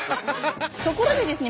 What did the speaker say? ところでですね